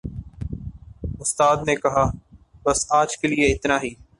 اُستاد نے کہا، "بس آج کے لئے اِتنا ہی"